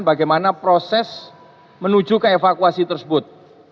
bagaimana proses menuju ke evakuasi tersebut